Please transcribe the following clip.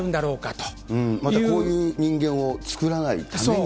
またこういう人間を作らない